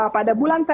pada bulan ini